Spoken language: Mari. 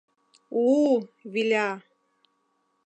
— У-у, виля!